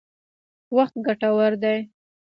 وخت ګټور دی.